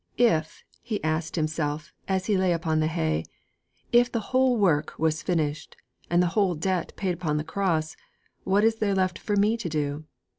If, he asked himself, as he lay upon the hay, if the whole work was finished, and the whole debt paid upon the Cross, what is there left for me to do?